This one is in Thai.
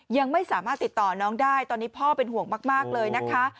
ยังไม่สามารถติดต่อน้องได้ตอนนี้พ่อเป็นห่วงมากเลยนะคะ